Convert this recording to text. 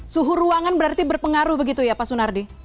suhu ruangan berarti berpengaruh begitu ya pak sunardi